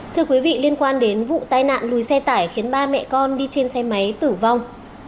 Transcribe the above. thưa quý vị liên quan đến vụ tai nạn lùi xe tải khiến ba mẹ con đi trên xe máy tử vong